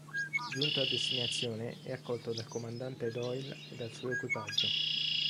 Giunto a destinazione è accolto dal comandante Doyle e dal suo equipaggio.